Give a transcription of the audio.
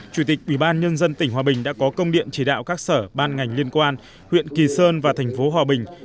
chủ tịch ubnd tỉnh hòa bình đã có công điện chỉ đạo các sở ban ngành liên quan huyện kỳ sơn và tp hòa bình